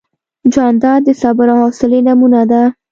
جانداد د صبر او حوصلې نمونه ده.